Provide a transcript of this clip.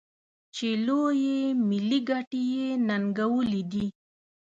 چې لویې ملي ګټې یې ننګولي دي.